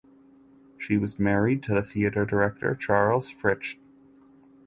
She was married to the theatre director Charles Fritzsch.